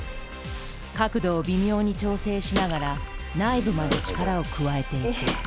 角度を微妙に調整しながら内部まで力を加えていく。